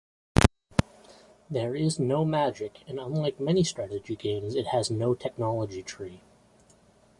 There is no magic, and unlike many strategy games, it has no technology tree.